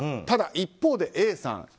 ただ一方でＡさん